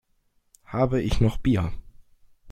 Habe ich noch Bier?